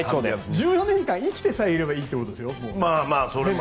１４年間生きてさえいればいいということでしょ。